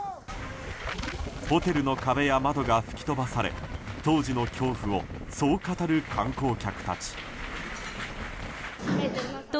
ホテルの壁や窓が吹き飛ばされ当時の恐怖をそう語る観光客たち。